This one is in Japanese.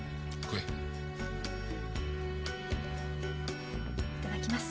いただきます。